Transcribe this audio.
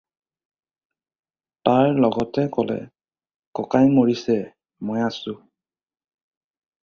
তাৰ লগতে ক'লে- "ককাই মৰিছে, মই আছোঁ।"